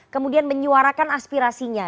kemudian menyuarakan aspirasinya